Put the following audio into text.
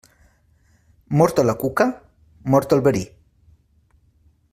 Morta la cuca, mort el verí.